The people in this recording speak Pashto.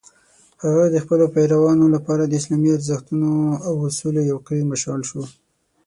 هغه د خپلو پیروانو لپاره د اسلامي ارزښتونو او اصولو یو قوي مشال شو.